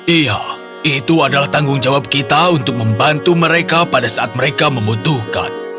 iya itu adalah tanggung jawab kita untuk membantu mereka pada saat mereka membutuhkan